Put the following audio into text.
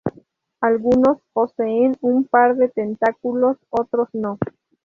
Algunos poseen un par de tentáculos, otros no.